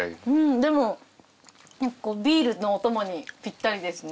でもビールのお供にピッタリですね。